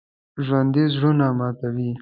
ژوندي زړونه ماتوي